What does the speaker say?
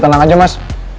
iya tenang aja mas